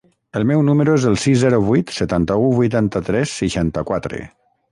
El meu número es el sis, zero, vuit, setanta-u, vuitanta-tres, seixanta-quatre.